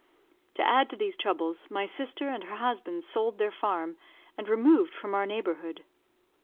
To add to these troubles, my sister and her husband sold their farm, and removed from our neighbourhood.